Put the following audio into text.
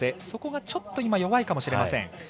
そこがちょっと弱いかもしれません。